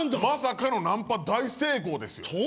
まさかのナンパ大成功ですよ